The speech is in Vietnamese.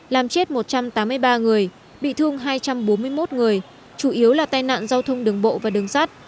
làm chết một trăm tám mươi ba người bị thương hai trăm bốn mươi một người chủ yếu là tai nạn giao thông đường bộ và đường sát